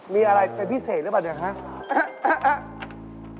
มีอะไรเป็นพิเศษหรือเปล่าเนี่ยครับ